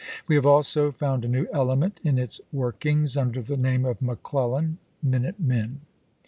" We have also found a new element in its work ings under the name of McClellan minute men.